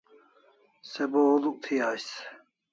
Se bo huluk thi ais